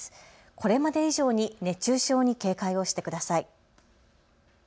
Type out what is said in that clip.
これまで以上に熱中症に警戒をしてください。